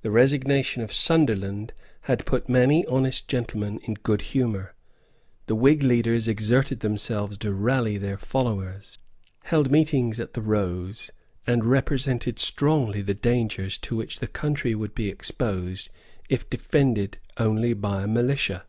The resignation of Sunderland had put many honest gentlemen in good humour. The Whig leaders exerted themselves to rally their followers, held meetings at the "Rose," and represented strongly the dangers to which the country would be exposed, if defended only by a militia.